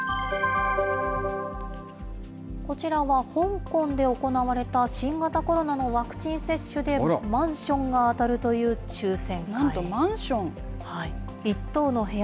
こちらは、香港で行われた、新型コロナのワクチン接種でマンションが当たるという抽せん会。